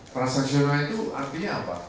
transnasional itu artinya apa